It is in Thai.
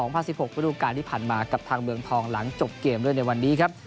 ฤดูการที่ผ่านมากับทางเมืองทองหลังจบเกมด้วยในวันนี้ครับ